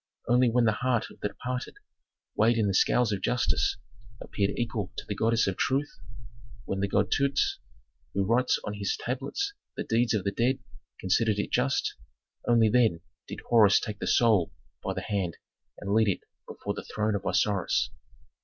Only when the heart of the departed, weighed in the scales of justice, appeared equal to the goddess of truth, when the god Dutes, who writes on his tablets the deeds of the dead, considered it just, only then did Horus take the soul by the hand and lead it before the throne of Osiris.